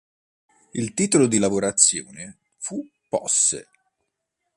Il titolo di lavorazione fu "Posse".